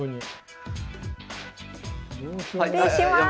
失礼します。